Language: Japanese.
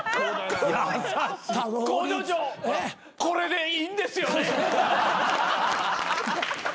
これでいいんですよね？